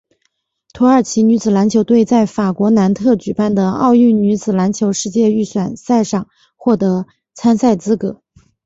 土耳其女子篮球队在法国南特举办的奥运女子篮球世界预选赛上获得参赛资格。